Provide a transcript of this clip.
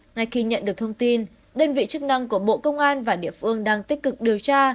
ngay khi nhận được thông tin đơn vị chức năng của bộ công an và địa phương đang tích cực điều tra